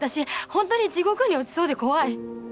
ほんとに地獄に落ちそうで怖い。